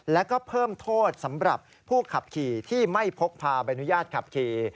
แล้วก็เพิ่มโทษสำหรับผู้ขับขี่ที่ไม่พกพาใบอนุญาตขับขี่